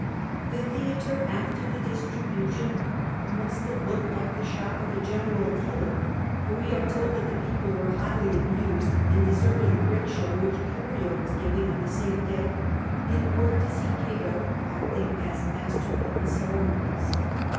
The theatre after the distribution must have looked like the shop of a general dealer ; but we are told that the people were highly amused, and deserted a great show which Curio was giving' on the same day, in order to see Cato acting as master of the ceremonies.